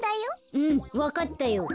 うんわかったよ。